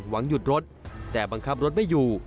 หวังหยุดรถแต่บังคับรถไม่อยู่